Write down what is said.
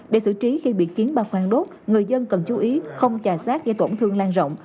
để xử trí khi bị kiến ba khoan đốt người dân cần chú ý không trà sát gây tổn thương lan rộng